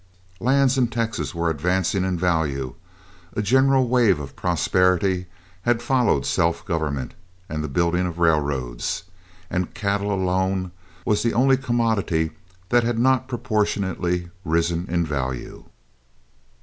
Lands in Texas were advancing in value, a general wave of prosperity had followed self government and the building of railroads, and cattle alone was the only commodity that had not proportionally risen in value.